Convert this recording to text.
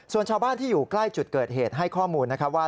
ส่วนชาวบ้านที่อยู่ใกล้จุดเกิดเหตุให้ข้อมูลนะครับว่า